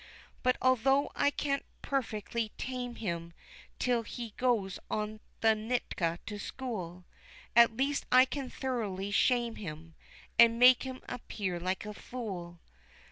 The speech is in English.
"But although I can't perfectly tame him till he goes to the Nita to school, At least I can thoroughly shame him, and make him appear like a fool.